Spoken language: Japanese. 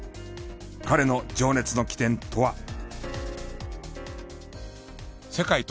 彼の情熱の起点とは。